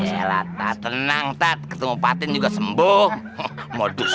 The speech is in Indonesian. yelah tenang tat ketemu patin juga sembuh modus